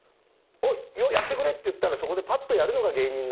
よっやってくれ！って言ったらそこでパッとやるのが芸人なんだと。